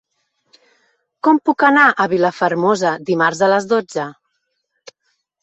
Com puc anar a Vilafermosa dimarts a les dotze?